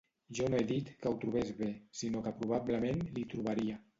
Jo no he dit que ho trobés bé, sinó que probablement l'hi trobaria.